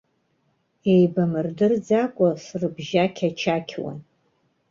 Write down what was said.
Еибамырдырӡакәа срыбжьақьачақьуан.